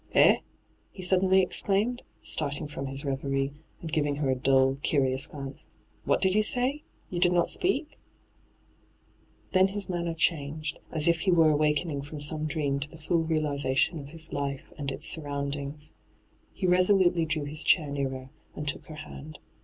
' Eh V he suddenly exclaimed, starting from his reverie and giving her a dull, curious glance. ' What did you say ? You did not speak V Then his manner changed, as if he were awakenii^ from some dream to the luU realiza tion of his life and its surroundings. He D,gt,, 6rtbyGOO>^IC ENTRAPPED 179 resolately drew his chair nearer, and took her hand.